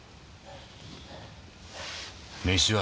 飯は？